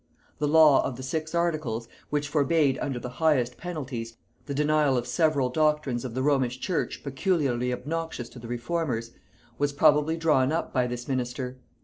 The law of the Six Articles, which forbade under the highest penalties the denial of several doctrines of the Romish church peculiarly obnoxious to the reformers, was probably drawn up by this minister.